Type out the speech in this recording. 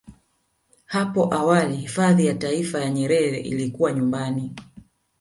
Hapo awali hifadhi ya Taifa ya Nyerere ilikuwa nyumbani